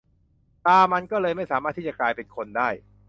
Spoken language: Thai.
ตามันก็เลยไม่สามารถที่จะกลายเป็นคนได้